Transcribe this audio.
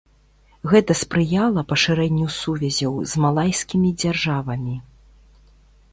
Гэта спрыяла пашырэнню сувязяў з малайскімі дзяржавамі.